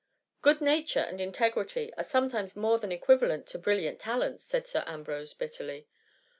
^^ Good nature and integrity are sometimes more than equivalent to brilliant talents," said Sir Ambrose bitterly.